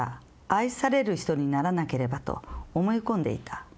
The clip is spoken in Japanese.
「愛される人にならなければと思い込んでいた」